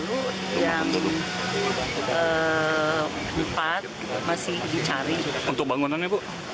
untuk bangunannya bu